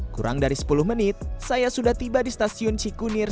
kurang dari sepuluh menit saya sudah tiba di stasiun cikunir